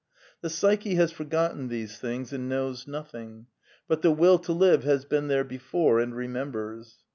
The psyche has forgotten these things and knows noth ing. But the Will to live has been there before and re members.